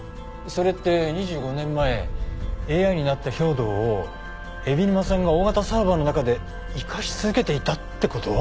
それって２５年前ＡＩになった兵働を海老沼さんが大型サーバーの中で生かし続けていたって事？